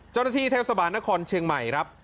เจ้าหน้าที่เทศบาลนครเชียงใหม่ครับ